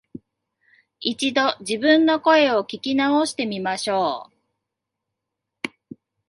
一度、自分の声を聞き直してみましょう